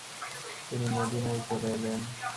তিনি মদীনায় চলে এলেন।